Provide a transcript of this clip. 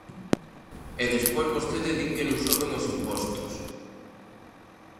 E despois vostedes din que non soben os impostos.